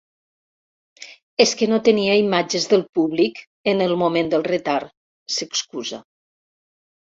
És que no tenia imatges del públic, en el moment del retard — s'excusa.